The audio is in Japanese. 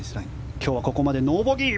今日はここまでノーボギー。